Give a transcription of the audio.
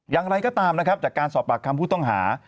อย่างไรก็ตามนะครับจากการสอบปากคำผู้ต้องหา